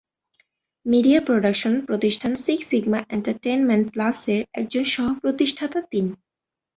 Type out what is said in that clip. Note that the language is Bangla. মিডিয়া প্রোডাকশন প্রতিষ্ঠান সিক সিগমা এন্টারটেনমেন্ট প্লাসের একজন সহ-প্রতিষ্ঠাতা তিনি।